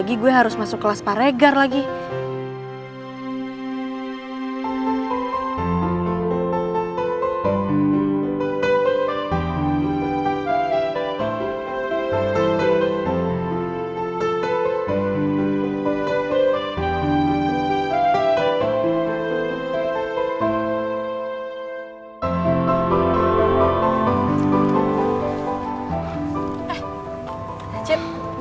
tuh gue gak suka follow stalker sama lo